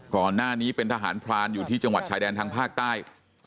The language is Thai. ก่อนหน้านี้เป็นทหารพรานอยู่ที่จังหวัดชายแดนทางภาคใต้